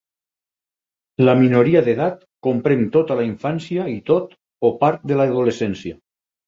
La minoria d'edat comprèn tota la infància i tot o part de l'adolescència.